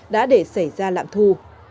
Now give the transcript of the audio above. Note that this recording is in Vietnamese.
đã để xảy ra lạm thu